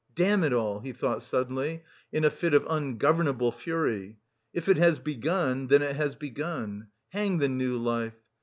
"Damn it all!" he thought suddenly, in a fit of ungovernable fury. "If it has begun, then it has begun. Hang the new life!